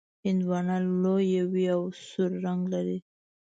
هندواڼه لویه وي او سور رنګ لري.